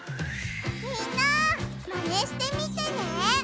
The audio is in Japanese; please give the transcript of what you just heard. みんなマネしてみてね！